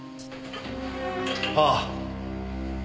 ああ。